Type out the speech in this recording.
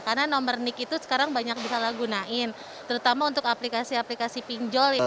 karena nomor nick itu sekarang banyak disalahgunain terutama untuk aplikasi aplikasi pinjol